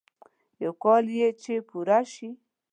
يو کال يې چې پوره شي.